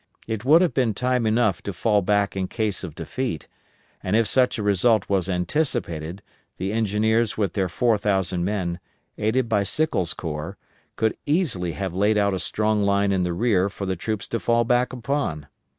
It would have been time enough to fall back in case of defeat; and if such a result was anticipated, the engineers with their 4,000 men, aided by Sickles' corps, could easily have laid out a strong line in the rear for the troops to fall back upon.